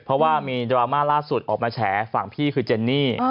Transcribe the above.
เพราะว่ามีดราม่าล่าสุดออกมาแฉฝั่งพี่คือเจนนี่